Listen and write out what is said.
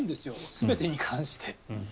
全てに関して。